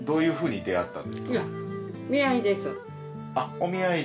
お見合いで？